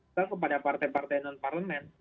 atau kepada partai partai non parlemen